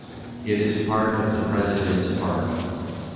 It is part of the President's Park.